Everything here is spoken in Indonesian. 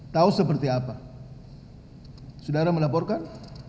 tahu seperti apa saudara melaporkan